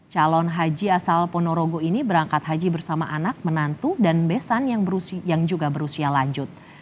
calon haji asal ponorogo ini berangkat haji bersama anak menantu dan besan yang juga berusia lanjut